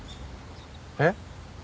えっ？